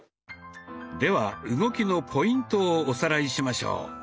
では動きのポイントをおさらいしましょう。